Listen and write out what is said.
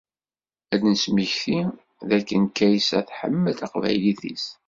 Ad d-nesmekti d akke Kaysa, tḥemmel Taqbaylit-is.